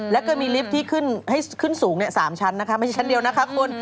แล้วก็มีลิฟท์ให้ขึ้นสูงเนี่ย๓ชั้นไม่ใช่ชั้นเดียวนะคะคุณ